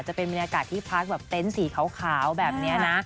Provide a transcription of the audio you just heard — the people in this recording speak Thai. จะเป็นบรรยากาศที่พักแบบเต็นต์สีขาวแบบนี้นะ